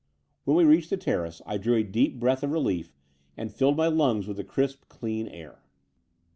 When we reached the terrace I drew a deep breath of relief and filled my lungs with the crisp, clean air.